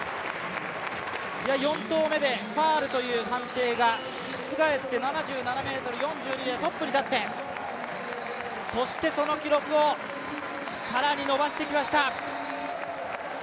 ４投目でファウルという判定が覆って、７７ｍ４２でトップに立って、そしてその記録を更に伸ばしてきました。